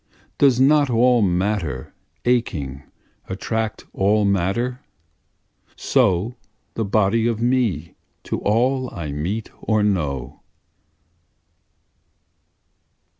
does not all matter, aching, attract all matter? So the body of me to all I meet or know.